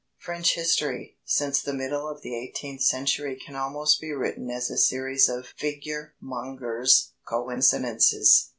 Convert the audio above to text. French history since the middle of the eighteenth century can almost be written as a series of figure mongers' coincidences.